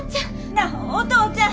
なあお父ちゃん！